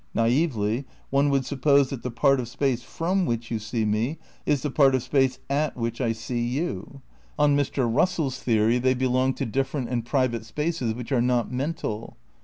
Naively, one would suppose that the part of space from which you see me is the part of space at which I see you. On Mr. Russell's theory they belong to different and private spaces which are not "mental."